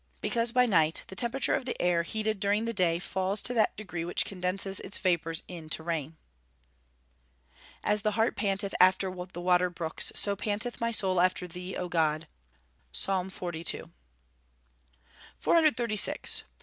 _ Because by night the temperature of the air, heated during the day, falls to that degree which condenses its vapours into rain. [Verse: "As the hart panteth after the water brooks, so panteth my soul after thee O God." PSALM XLII.] 436.